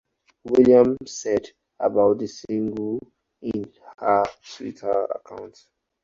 Williams said about the single in her Twitter account.